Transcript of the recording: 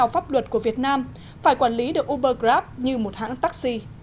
pháp luật của việt nam phải quản lý được uber grab như một hãng taxi